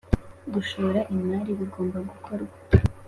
gushora imari bigomba gukorwa mu